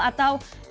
atau di ganteng